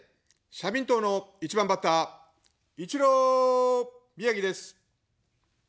社民党の１番バッター、イチロー宮城です。